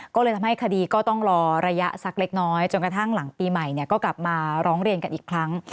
ก็เลยทำให้คดีก็ต้องรอระยะสักเล็กน้อยจนกระทั่งหลังปีใหม่ก็กลับมาร้องเรียนกันอีกครั้ง